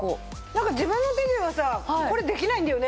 なんか自分の手ではさこれできないんだよね。